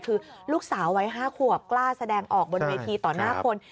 คือลูกสาววัย๕ขวบกล้าแสดงออกบนเวทีต่อหน้าคน